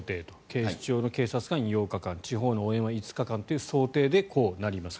警視庁の警察官、８日間地方からの応援は５日間という想定でこうなります。